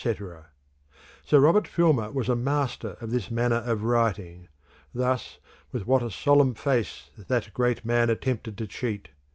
Sir Robert Filmer was a master of this manner of writing. Thus with what a solemn face that great man attempted to cheat.